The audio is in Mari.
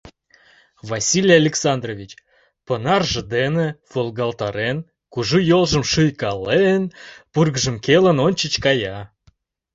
Василий Александрович, понарже дене волгалтарен, кужу йолжым шуйкален, пургыжым келын, ончыч кая.